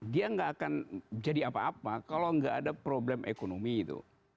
dia nggak akan jadi apa apa kalau nggak ada problem ekonomi itu